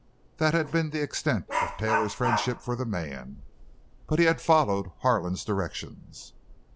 That had been the extent of Taylor's friendship for the man. But he had followed Harlan's directions.